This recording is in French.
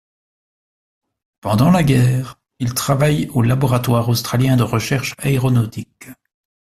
Pendant la guerre il travaille au Laboratoire Australien de Recherche Aéronautique.